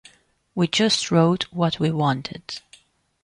We just wrote what we wanted.